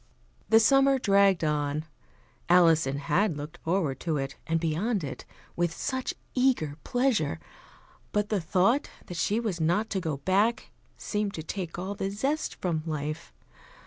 The summer dragged on. Alison had looked forward to it and beyond it with such eager pleasure; but the thought that she was not to go back seemed to take all the zest from life.